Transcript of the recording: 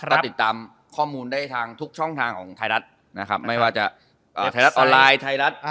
ถ้าติดตามข้อมูลได้ทางทุกช่องทางของไทยรัฐ